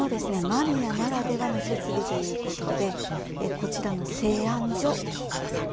間宮ならではの設備ということでこちらの製あん所。